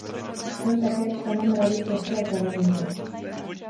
Byl také členem Rady České televize.